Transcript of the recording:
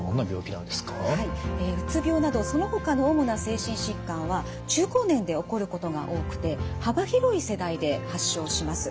うつ病などそのほかの主な精神疾患は中高年で起こることが多くて幅広い世代で発症します。